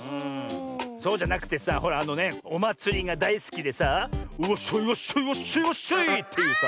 そうじゃなくてさほらあのねおまつりがだいすきでさあ「ワッショイワッショイワッショイワッショイ」っていうさ。